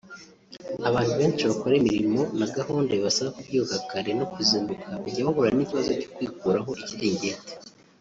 Abantu benshi bakora imirimo na gahunda bibasaba kubyuka kare no kuzinduka bajya bahura n’ikibazo cyo kwikuraho uburingiti